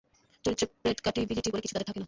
চরিত্রে প্রেডকাটিবিলিটি বলে কিছু তাঁদের থাকে না।